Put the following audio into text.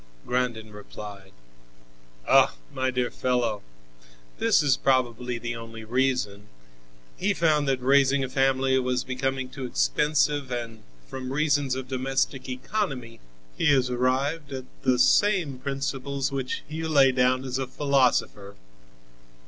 Grandin replied: "Oh! my dear fellow, this is probably the only reason. He found that raising a family was becoming too expensive, and from reasons of domestic economy he has arrived at the same principles which you lay down as a philosopher."